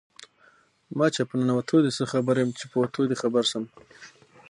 ـ مچه په نتو دې څه خبر يم ،چې په وتو دې خبر شم.